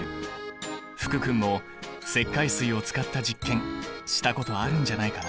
福君も石灰水を使った実験したことあるんじゃないかな？